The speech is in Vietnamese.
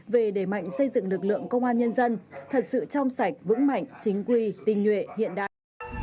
về đẩy mạnh xây dựng lực lượng công an nhân dân thật sự trong sạch vững mạnh chính quy tình nhuệ hiện đại